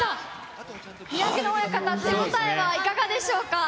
宮城野親方、手応えはいかがでしょうか？